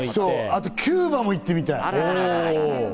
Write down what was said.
あとキューバも行きたい。